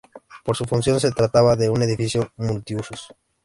Por su función se trataba de un edificio multiusos.